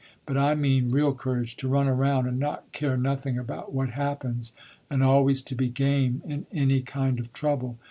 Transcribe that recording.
But I mean real courage, to run around and not care nothing about what happens, and always to be game in any kind of trouble.